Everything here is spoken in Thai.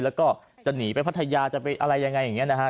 แล้วก็จะหนีไปพัทยาจะไปอะไรยังไงอย่างนี้นะฮะ